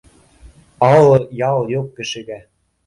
Ал-ял юҡ кешегә